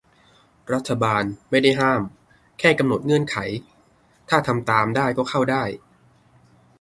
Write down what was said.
รัฐบาล "ไม่ได้ห้าม" แค่กำหนดเงื่อนไข ถ้าทำตามได้ก็เข้าได้